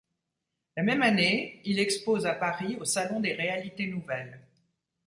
La même année, il expose à Paris au Salon des réalités nouvelles.